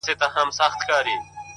• شپه مو نسته بې کوکاره چي رانه سې ,